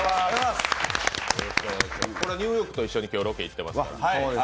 ニューヨークと一緒に今日、ロケに行ってますから。